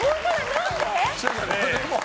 何で？